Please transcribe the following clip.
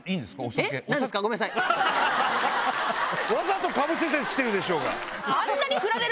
わざとかぶせて来てるでしょうが！